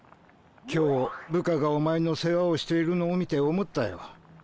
今日部下がお前の世話をしているのを見て思ったよ。